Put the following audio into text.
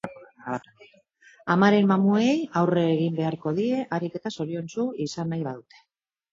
Amaren mamuei aurre egin beharko die, harik eta zoriontzu izan nahi badute.